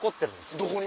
どこに？